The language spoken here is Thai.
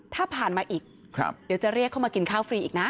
ถ้าผ่านมาอีกเดี๋ยวจะเรียกเข้ามากินข้าวฟรีอีกนะ